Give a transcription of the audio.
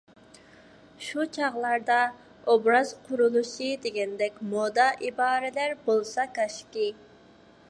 شۇ چاغلاردا «ئوبراز قۇرۇلۇشى» دېگەندەك مودا ئىبارىلەر بولسا كاشكى.